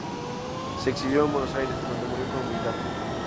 Se exilió en Buenos Aires, donde murió con humildad.